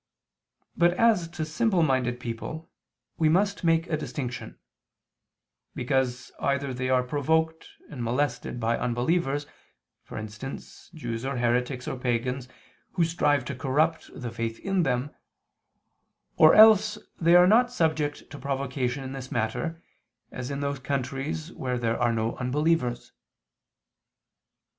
But as to simple minded people, we must make a distinction; because either they are provoked and molested by unbelievers, for instance, Jews or heretics, or pagans who strive to corrupt the faith in them, or else they are not subject to provocation in this matter, as in those countries where there are no unbelievers.